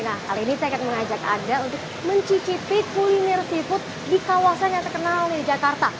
nah kali ini saya akan mengajak anda untuk mencicipi kuliner seafood di kawasan yang terkenal di jakarta